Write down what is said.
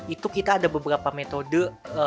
itu kita ada beberapa metode